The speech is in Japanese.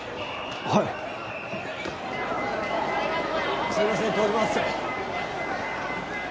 はいすいません通りますよ